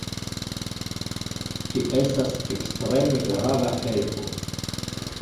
Ĝi estas ekstreme grava helpo.